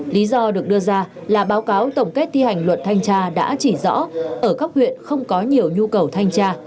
lý do được đưa ra là báo cáo tổng kết thi hành luật thanh tra đã chỉ rõ ở các huyện không có nhiều nhu cầu thanh tra